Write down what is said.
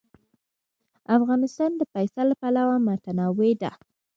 افغانستان د پسه له پلوه متنوع دی.